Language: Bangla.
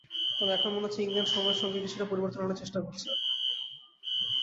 তবে এখন মনে হচ্ছে ইংল্যান্ড সময়ের সঙ্গে কিছুটা পরিবর্তন আনার চেষ্টা করছে।